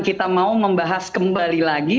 kita mau membahas kembali lagi